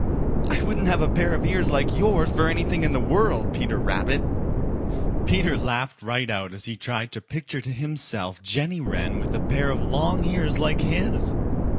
I wouldn't have a pair of ears like yours for anything in the world, Peter Rabbit." Peter laughed right out as he tried to picture to himself Jenny Wren with a pair of long ears like his.